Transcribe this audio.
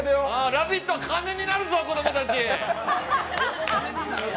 「ラヴィット！」は金になるぞ、子供たち。